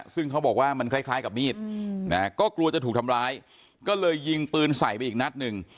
ซึ่งเขาบอกว่ามันคล้ายกับมีดก็กลัวจะถูกทำร้ายก็เลยยิงปืนใส่ไปอีกนัดหนึ่ง